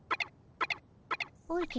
おじゃ。